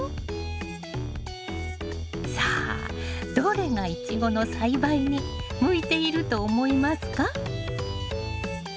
さあどれがイチゴの栽培に向いていると思いますか？